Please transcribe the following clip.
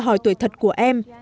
hỏi tuổi thật của em